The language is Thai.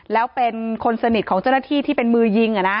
แล้วเป็นคนสนิทของเจ้าหน้าที่ที่เป็นมือยิง